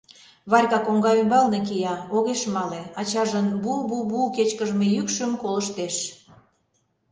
Варька коҥга ӱмбалне кия, огеш мале, ачажын "бу-бу-бу" кечкыжме йӱкшым колыштеш.